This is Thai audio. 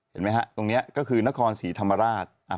เห็นไหมฮะตรงนี้ก็คือนครศรีธรรมราช